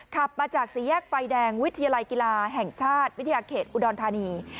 ขับมาจากสี่แยกไฟแดงวิทยาลัยกีฬาแห่งชาติวิทยาเขตอุดรธานี